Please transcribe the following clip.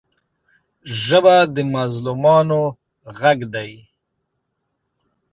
ژبه د مظلومانو غږ دی